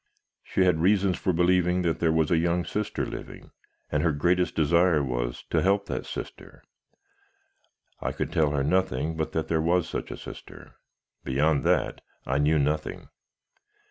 She had reasons for believing that there was a young sister living, and her greatest desire was, to help that sister. I could tell her nothing but that there was such a sister; beyond that, I knew nothing.